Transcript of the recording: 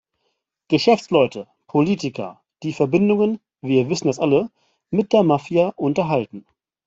Geschäftsleute, Politiker, die Verbindungen, wir wissen das alle, mit der Mafia unterhalten.